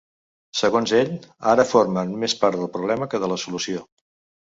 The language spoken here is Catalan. Segons ell, ‘ara formen més part del problema que de la solució’.